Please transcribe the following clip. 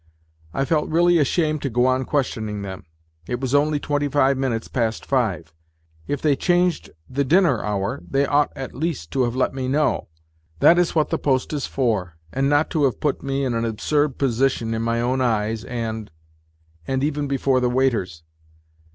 I felt really ashamed to go on questioning them. It was only twenty five minutes past five. If they changed the dinner hour they ought at least to have let me know that is what the post is for, and not to have put me in an absurd position in my own eyes and ... and even before the waiters.